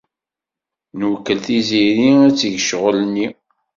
Nwekkel Tiziri ad teg ccɣel-nni.